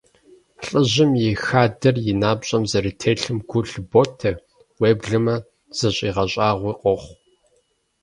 ЛӀыжьым и хадэр и напщӀэм зэрытелъым гу лъыботэ, уеблэмэ зыщигъэщӀагъуи къохъу.